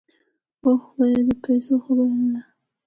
اوح خدايه د پيسو خبره نده.